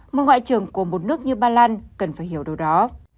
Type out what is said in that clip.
một ngoại trưởng của một nước như ba lan cần phải hiểu điều đó